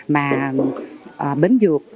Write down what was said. mà bến dược